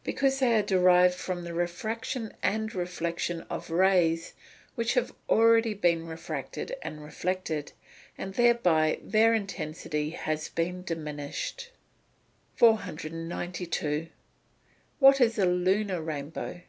_ Because they are derived from the refraction and reflection of rays which have already been refracted and reflected, and thereby their intensity has been diminished. 492. _What is a lunar rainbow?